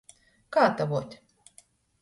Kātavuot.